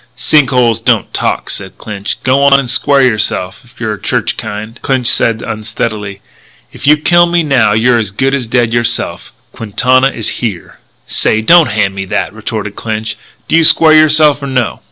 "Sink holes don't talk," said Clinch. "G'wan and square yourself, if you're the church kind." "Clinch," said Smith unsteadily, "if you kill me now you're as good as dead yourself. Quintana is here." "Say, don't hand me that," retorted Clinch. "Do you square yourself or no?"